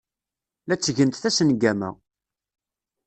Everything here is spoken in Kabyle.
La ttgent tasengama.